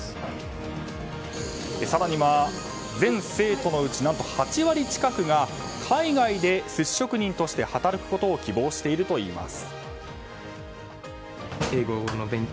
更には、全生徒のうち何と８割近くが海外で寿司職人として働くことを希望しているといいます。